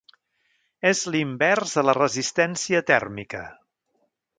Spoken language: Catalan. És l'invers a la resistència tèrmica.